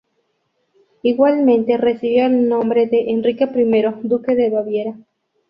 Igualmente recibió el nombre de Enrique I duque de Baviera.